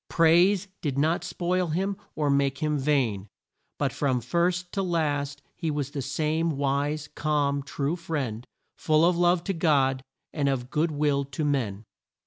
Praise did not spoil him or make him vain; but from first to last he was the same wise, calm, true friend, full of love to God and of good will to man.